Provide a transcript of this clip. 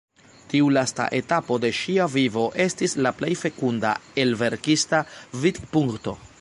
Tiu lasta etapo de ŝia vivo estis la plej fekunda el verkista vidpunkto.